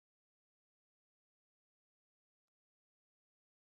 د امیر امان الله خان په تواسط رامنځته شو.